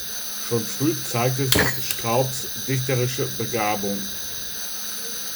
Schon früh zeigte sich Straubs dichterische Begabung.